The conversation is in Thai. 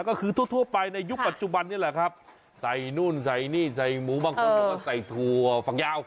ก็คือทั่วไปในยุคปัจจุบันนี้แหละครับใส่นู่นใส่นี่ใส่หมูบางคนเขาก็ใส่ถั่วฝั่งยาว